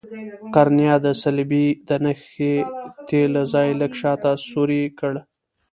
قرنیه د صلبیې د نښتې له ځای لږ شاته سورۍ کړئ.